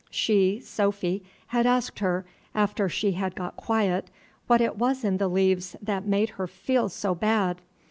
She, Sophy, had asked her, after she had got quiet, what it was in the leaves that made her feel so bad.